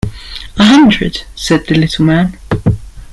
‘A hundred,’ said the little man.